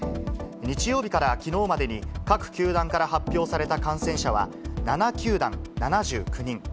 日曜日からきのうまでに、各球団から発表された感染者は７球団７９人。